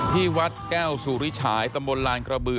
ที่วัดแก้วสุริฉายตำบลลานกระบือ